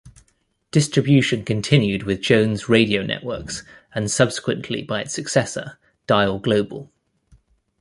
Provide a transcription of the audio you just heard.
Distribution continued with Jones Radio Networks and subsequently by its successor, Dial Global.